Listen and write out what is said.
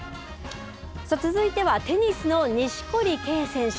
続いてはテニスの錦織圭選手。